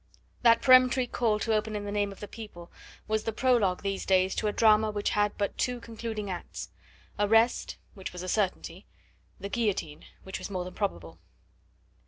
That peremptory call to open in the name of the people was the prologue these days to a drama which had but two concluding acts: arrest, which was a certainty; the guillotine, which was more than probable.